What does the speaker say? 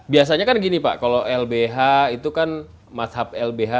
biasanya kan gini pak kalau lbh itu kan madhab lbh itu kan kondisi yang berbeda ya